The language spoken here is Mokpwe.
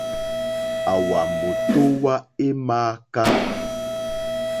Àwà mòtówá é !mááká.